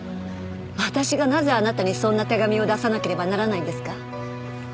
私がなぜあなたにそんな手紙を出さなければならないんですか？